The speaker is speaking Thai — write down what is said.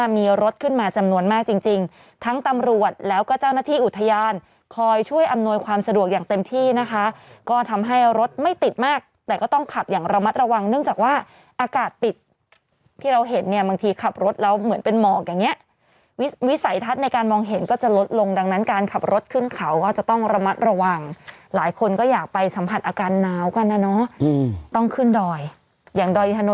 มาหาสมปองค่ะนายสมปองไอ้สมปองอ่าเรียกได้หมดวันนี้